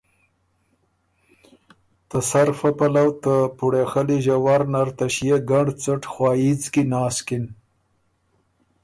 ته سر فۀ پلؤ ته پُوړېخلي ݫَوَر نر ته ݭيې ګنړ څټ خواييځ کی ناسکِن